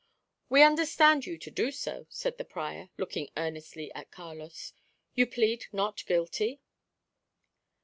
"We understand you so to do," said the prior, looking earnestly at Carlos. "You plead not guilty?"